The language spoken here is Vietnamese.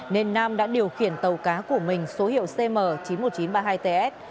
nên nam đã điều khiển tàu cá của mình số hiệu cm chín mươi một nghìn chín trăm ba mươi hai ts